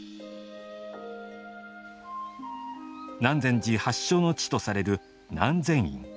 南禅寺発祥の地とされる南禅院。